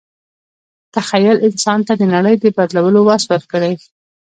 تخیل انسان ته د نړۍ د بدلولو وس ورکړی.